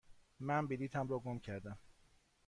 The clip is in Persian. من بلیطم را گم کردم.